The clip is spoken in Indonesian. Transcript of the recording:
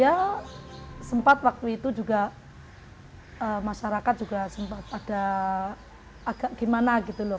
ya sempat waktu itu juga masyarakat juga sempat ada agak gimana gitu loh